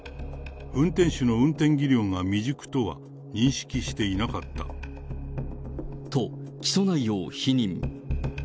運転手の運転技量が未熟とは認識と、起訴内容を否認。